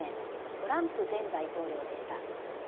トランプ前大統領でした。